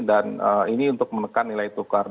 dan ini untuk menekan nilai tukar